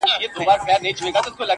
بل وردګ، بل غزنیچی